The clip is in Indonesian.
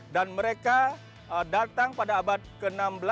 dan mereka datang pada abad ke enam belas